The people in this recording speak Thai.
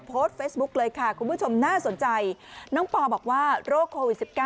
โพสต์เฟซบุ๊คเลยค่ะคุณผู้ชมน่าสนใจน้องปอบอกว่าโรคโควิด๑๙